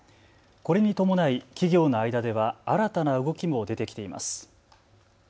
これに伴い企業の間では新たな動きも出てきています。